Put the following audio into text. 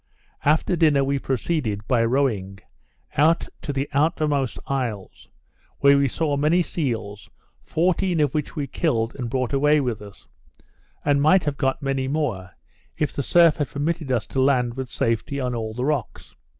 After dinner we proceeded, by rowing, out to the outermost isles, where we saw many seals, fourteen of which we killed and brought away with us; and might have got many more, if the surf had permitted us to land with safety on all the rocks.